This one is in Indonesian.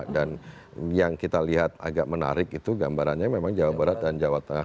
dan yang kita lihat agak menarik itu gambarannya memang jawa barat dan jawa tengah